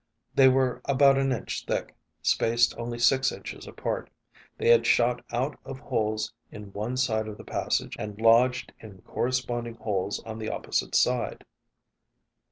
They were about an inch thick, spaced only six inches apart. They had shot out of holes in one side of the passage and lodged in corresponding holes on the opposite side.